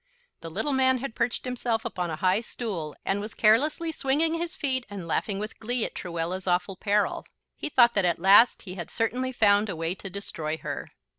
The little man had perched himself upon a high stool, and was carelessly swinging his feet and laughing with glee at Truella's awful peril. He thought that at last he had certainly found a way to destroy her.